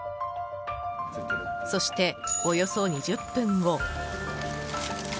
そして、およそ２０分後。